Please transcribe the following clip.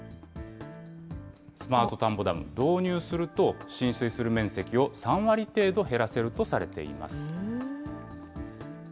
スマート田んぼダム導入すると、浸水する面積を３割程度減らせるとされています。